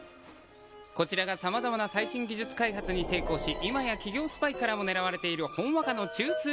こちらが様々な最新技術開発に成功し今や企業スパイからも狙われているほんわかの中枢部です。